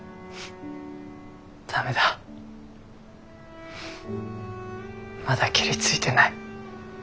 駄目だまだケリついてない。